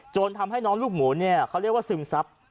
ทำให้น้องลูกหมูเนี่ยเขาเรียกว่าซึมซับ